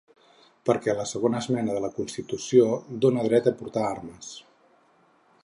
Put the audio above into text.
Perquè la segona esmena de la constitució dóna el dret de portar armes.